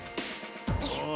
よいしょ。